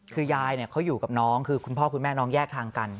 คือยายเขาอยู่กับน้องคือคุณพ่อคุณแม่น้องแยกทางกัน